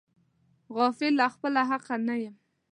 غافل له خپله حقه نه یم.